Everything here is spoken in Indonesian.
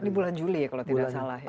ini bulan juli ya kalau tidak salah